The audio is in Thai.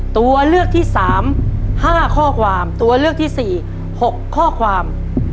ตัวเลือกที่สามห้าข้อความตัวเลือกที่๔๖ข้อความ